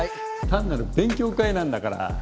単なる勉強会なんだから。